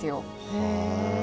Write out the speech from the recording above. へえ。